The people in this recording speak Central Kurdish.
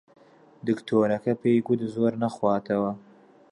دکتۆرەکە پێی گوت زۆر نەخواتەوە.